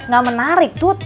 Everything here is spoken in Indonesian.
gak menarik tut